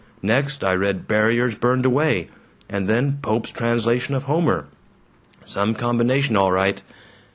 Next I read 'Barriers Burned Away' and then Pope's translation of Homer. Some combination, all right!